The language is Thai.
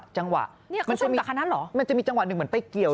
จังหวะมันจะมีมันจะมีจังหวัดหนึ่งเหมือนไปเกี่ยว